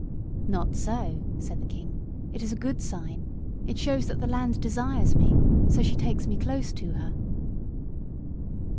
"Not so," said the king. "It is a good sign. It shows that the land desires me: so she takes me close to her."